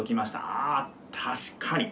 あ確かに。